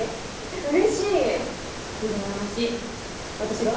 うれしい羨ましい私が？